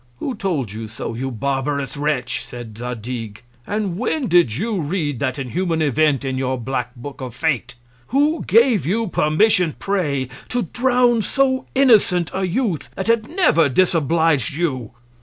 Who told you so, you barbarous Wretch, said Zadig? And when did you read that inhuman Event in your Black Book of Fate? Who gave you Permission pray, to drown so innocent a Youth, that had never disoblig'd you?